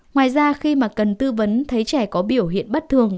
ngoài ra khi mà cần tư vấn thấy trẻ có biểu hiện bất thường